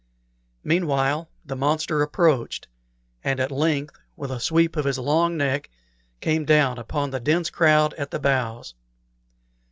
Meanwhile the monster approached, and at length, with a sweep of his long neck, came down upon the dense crowd at the bows.